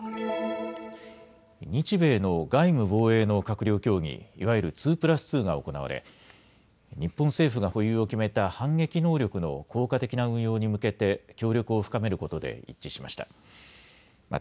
日米の外務・防衛の閣僚協議いわゆる２プラス２が行われ日本政府が保有を決めた反撃能力の効果的な運用に向けて協力を深めることで一致しました。